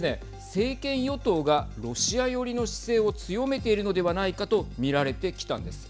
政権与党がロシア寄りの姿勢を強めているのではないかと見られてきたんです。